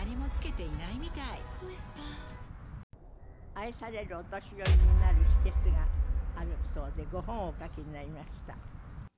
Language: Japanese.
愛されるお年寄りになる秘訣があるそうでご本をお書きになりました。